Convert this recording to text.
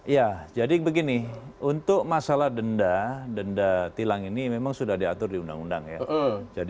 ya jadi begini untuk masalah denda denda tilang ini memang sudah diatur di undang undang ya